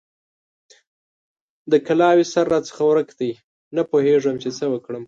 د کلاوې سر راڅخه ورک دی؛ نه پوهېږم چې څه وکړم؟!